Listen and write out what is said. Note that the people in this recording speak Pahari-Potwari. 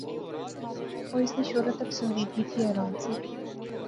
او اس نی شہرت تہ پسندیدگی تھی حیران سے